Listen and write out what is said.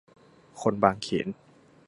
คนบางเขน